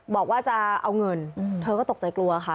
บอกว่าจะเอาเงินเธอก็ตกใจกลัวค่ะ